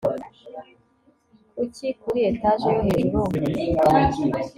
Kuri kuri etage yo hejuru